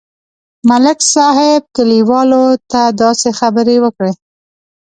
ملک صاحب کلیوالو ته داسې خبرې وکړې.